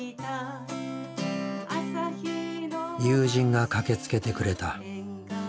友人が駆けつけてくれた。